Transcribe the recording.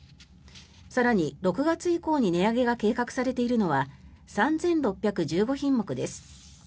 更に、６月以降に値上げが計画されているのは３６１５品目です。